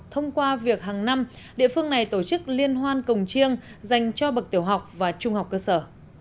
thông qua việc hàng năm địa phương này tổ chức liên hoan cổng chiêng dành cho bậc tiểu học và trung học cơ sở